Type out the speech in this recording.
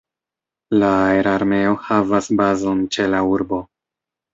La Aerarmeo havas bazon ĉe la urbo.